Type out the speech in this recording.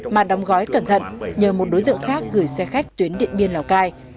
mà đóng gói cẩn thận nhờ một đối tượng khác gửi xe khách tuyến điện biên lào cai